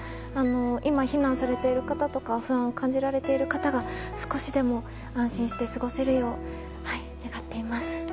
今、避難されている方とか不安を感じられている方が少しでも安心して過ごせるよう願っています。